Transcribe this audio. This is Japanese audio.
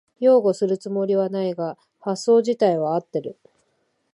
擁護するつもりはないが発想じたいは合ってる